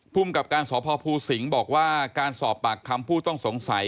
ภูมิกับการสพภูสิงศ์บอกว่าการสอบปากคำผู้ต้องสงสัย